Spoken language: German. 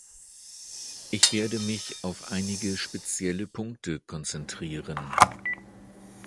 Ich werde mich auf einige spezielle Punkte konzentrieren.